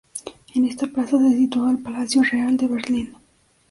En esta plaza se situaba el Palacio Real de Berlín.